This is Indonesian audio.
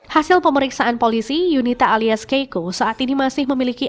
hasil pemeriksaan polisi yunita alias keiko saat ini masih memiliki